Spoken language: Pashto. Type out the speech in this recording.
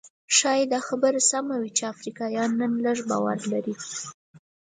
ښايي دا خبره سمه وي چې افریقایان نن لږ باور لري.